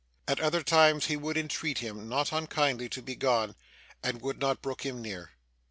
At other times, he would entreat him not unkindly to be gone, and would not brook him near.